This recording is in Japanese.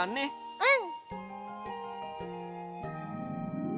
うん！